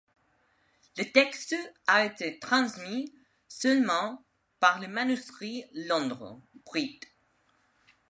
Le texte a été transmis seulement par le manuscrit Londres, Brit.